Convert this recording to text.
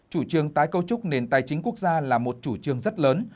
chủ trương tái cấu trúc nền tài chính quốc gia là một chủ trương rất lớn